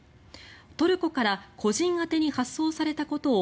トルコから個人宛てに発送されたことを